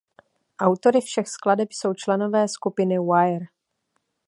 Autory všech skladeb jsou členové skupiny Wire.